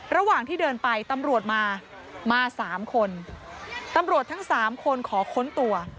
ระหว่างที่เดินไปตำรวจมามาสามคนตำรวจทั้งสามคนขอค้นตัว